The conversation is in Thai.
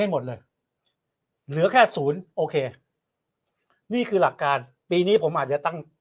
หมดเลยเหลือแค่ศูนย์โอเคนี่คือหลักการปีนี้ผมอาจจะตั้ง